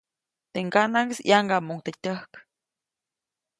Teʼ ŋganaʼŋis ʼyaŋgamuʼuŋ teʼ tyäjk.